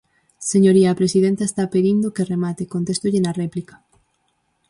Señoría, a presidenta está pedindo que remate, contéstolle na réplica.